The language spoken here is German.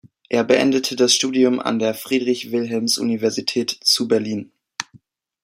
Er beendete das Studium an der Friedrich-Wilhelms-Universität zu Berlin.